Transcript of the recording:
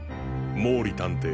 毛利探偵？